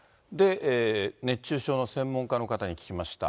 熱中症の専門家の方に聞きました。